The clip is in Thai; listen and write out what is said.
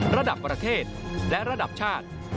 ระดับประเทศและระดับชาติ